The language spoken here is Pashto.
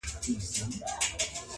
دی په خوب کي لا پاچا د پېښور دی؛